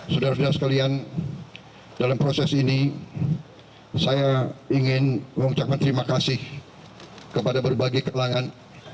saudara saudara sekalian dalam proses ini saya ingin mengucapkan terima kasih kepada berbagai kelangan